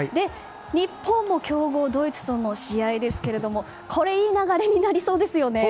日本も強豪ドイツとの試合ですがいい流れになりそうですよね。